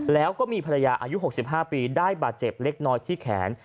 แล้วก็มีภรรยาอายุ๖๕ปีได้บาดเจ็บเล็กน้อยที่แขน